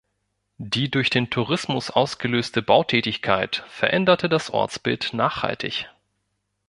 Die durch den Tourismus ausgelöste Bautätigkeit veränderte das Ortsbild nachhaltig.